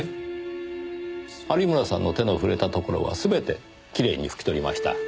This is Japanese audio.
有村さんの手の触れたところは全てきれいに拭き取りました。